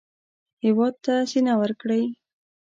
هېواد ته سینه ورکړئ